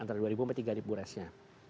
antara dua sampai tiga resnya